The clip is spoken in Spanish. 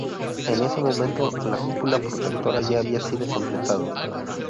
En ese momento, la cúpula protectora ya había sido completado.